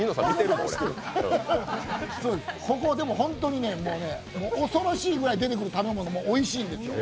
ここ、でも本当に恐ろしいぐらい出てくる食べ物もおいしいんですよ。